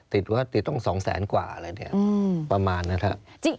ว่าติดต้อง๒แสนกว่าอะไรเนี่ยประมาณนะครับ